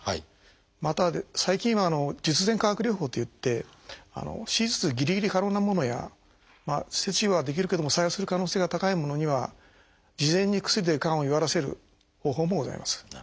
また最近は術前化学療法といって手術ぎりぎり可能なものや切除はできるけども再発する可能性が高いものには事前に薬でがんを弱らせる方法もございます。